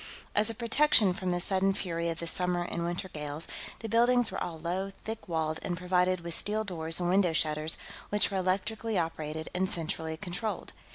As a protection from the sudden fury of the summer and winter gales, the buildings were all low, thick walled, and provided with steel doors and window shutters which were electrically operated and centrally controlled.